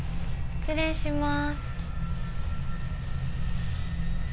失礼します。